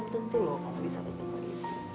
tentu loh kalau bisa lebih baik